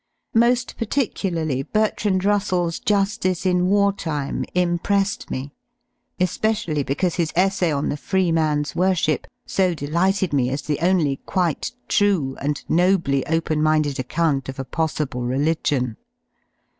Mo^ particularly Bertrand Russell's "J^^^^^^ ^"^^^' Time" impressed me, especially because his essay on the "Free Man's Worship" so delighted me as the only quite true and nobly open minded account of a possible religion.